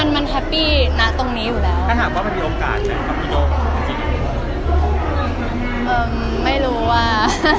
ไม่รู้ว่า